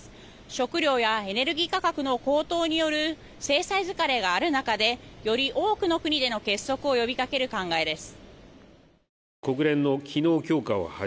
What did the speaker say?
食料やエネルギー価格の高騰による制裁疲れがある中でより多くの国での結束を呼びかける考えです。